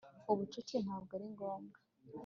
ubucuti ntabwo ari ngombwa